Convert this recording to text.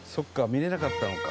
見れなかったのか」